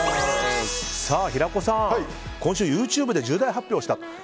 平子さん、今週ＹｏｕＴｕｂｅで重大発表をした。